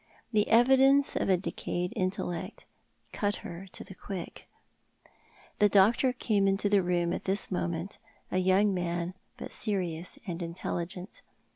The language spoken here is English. The evidence of a decayed intellect cut her to the quick. The doctor came into the room at this n)oment — a young man, but sirious and intelligent.